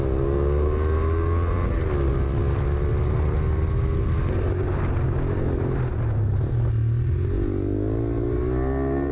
ข้างไหนอ่ะ